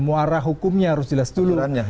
muara hukumnya harus jelas duluannya